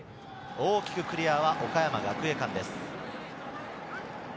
大きくクリアは岡山学芸館です。